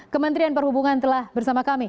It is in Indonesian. kementerian perhubungan telah bersama kami